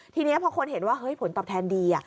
ทีนี้พอคนเห็นว่าเฮ้ยผลตอบแทนดี